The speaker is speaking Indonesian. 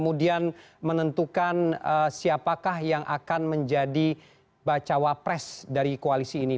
kemudian menentukan siapakah yang akan menjadi bacawa pres dari koalisi ini